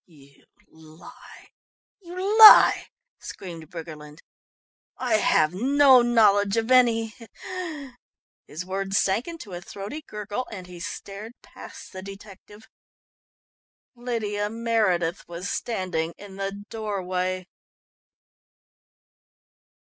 "You lie you lie," screamed Briggerland. "I have no knowledge of any " his words sank into a throaty gurgle, and he stared past the detective. Lydia Meredith was standing in the doorway.